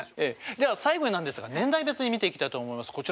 では最後になんですが年代別に見ていきたいと思います。